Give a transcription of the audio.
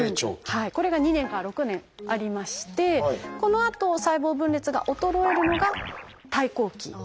これが２年から６年ありましてこのあと細胞分裂が衰えるのが「退行期」。